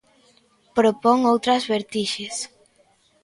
Propón outras vertixes.